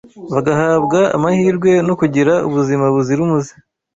bagahabwa amahirwe yo kugira ubuzima buzira umuze